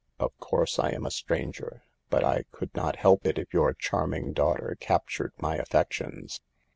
" Of course I am a stranger, but I could not help it if your charming daughter cap tured my affections.